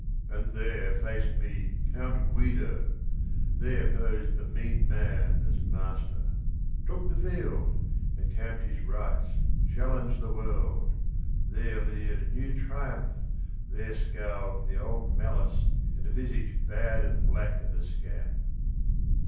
And there Faced me Count Guido, there posed the mean man As master, — took the field, encamped his rights, Challenged the world : there leered new triumph, there Scowled the old malice in the visage bad And black o' the scamp."